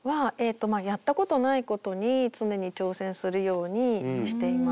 やったことないことに常に挑戦するようにしています。